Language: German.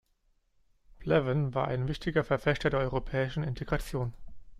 Pleven war ein wichtiger Verfechter der europäischen Integration.